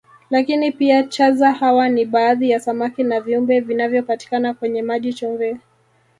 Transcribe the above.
Lakini pia chaza hawa ni baadhi ya samaki na viumbe vinavyopatikana kwenye maji chumvi